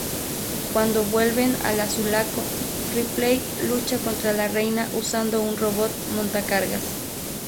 Cuando vuelven a la Sulaco, Ripley lucha contra la Reina usando un robot montacargas.